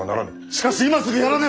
しかし今すぐやらねば！